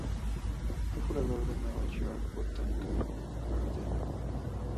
Fue curador del New York Botanical Garden.